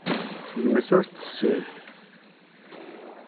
Gma-s ur t-tesεi.